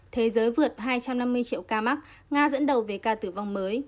thế giới vượt hai trăm năm mươi triệu ca mắc nga dẫn đầu về ca tử vong mới